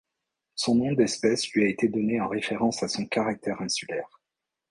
Son nom d'espèce lui a été donné en référence à son caractère insulaire.